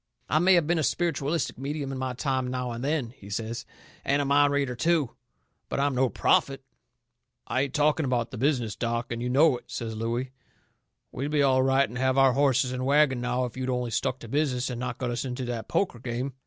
I may have been a spiritualistic medium in my time now and then," he says, "and a mind reader, too, but I'm no prophet." "I ain't talking about the business, Doc, and you know it," says Looey. "We'd be all right and have our horses and wagon now if you'd only stuck to business and not got us into that poker game.